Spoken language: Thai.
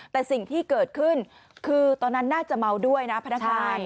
แต่สิ่งที่เกิดขึ้นคือตอนนั้นน่าจะเมาด้วยนะพนักงาน